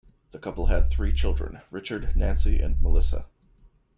The couple had three children, Richard, Nancy, and Melissa.